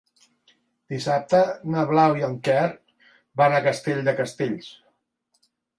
Dissabte na Blau i en Quer van a Castell de Castells.